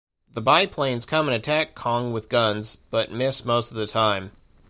The biplanes come and attack Kong with guns, but miss most of the time.